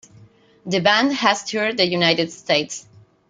The band has toured the United States.